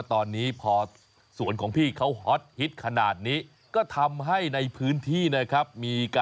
ตอนนี้ฉันจองนะนี่